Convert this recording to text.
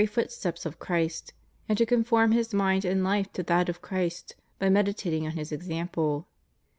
footsteps of Christ, and to conform his mind and life to that of Christ by meditating on His example.